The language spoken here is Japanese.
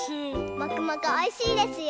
もくもくおいしいですよ。